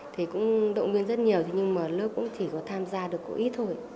thì cũng động viên rất nhiều nhưng mà lớp cũng chỉ có tham gia được có ít thôi